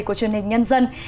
của truyền hình nhân dân